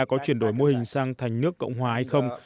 có chuyển đổi mô hình sang thành nước cộng hòa hay không